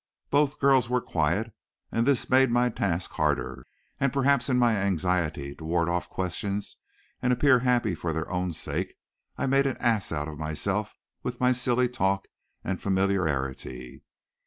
Both girls were quiet, and this made my task harder, and perhaps in my anxiety to ward off questions and appear happy for their own sakes I made an ass of myself with my silly talk and familiarity.